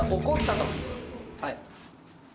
はい。